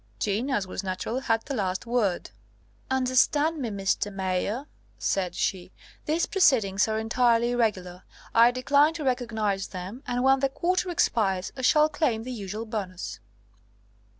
Jeanne, as was natural, had the last word. "Understand me, Mr. Mayor," said she, "these proceedings are entirely irregular. I decline to recognise them, and when the quarter expires I shall claim the usual bonus!"